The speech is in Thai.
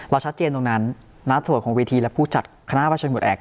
เราชัดเจนตรงนั้นณส่วนของเวทีและผู้จัดคณะประชาภิกษ์หมุดแอบ